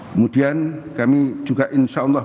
kemudian kami juga insya allah